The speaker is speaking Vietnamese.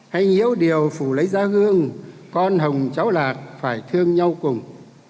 hay nhiễu điều phủ lấy ra gương con hồng cháu lạt phải thương nhau cùng